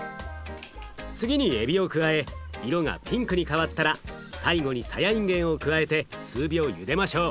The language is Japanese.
次にえびを加え色がピンクに変わったら最後にさやいんげんを加えて数秒ゆでましょう。